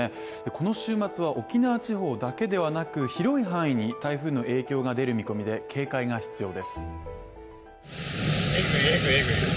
この週末は沖縄地方だけではなく、広い範囲に台風の影響が出る見込みで警戒が必要です。